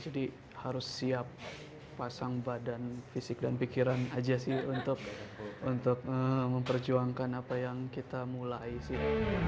jadi harus siap pasang badan fisik dan pikiran aja sih untuk memperjuangkan apa yang kita mulai sih